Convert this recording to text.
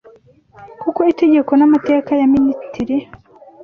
kuko itegeko n’amateka ya Minitiri